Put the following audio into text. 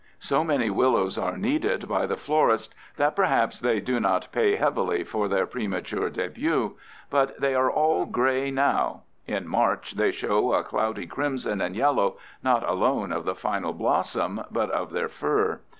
So many willows are needed by the florists that perhaps they do not pay heavily for their premature debut. But they are all gray now. In March they show a cloudy crimson and yellow not alone of the final blossom, but of their fur.